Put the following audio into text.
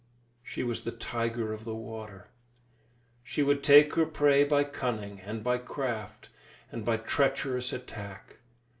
She was the tiger of the water. She would take her prey by cunning and by craft, and by treacherous attack.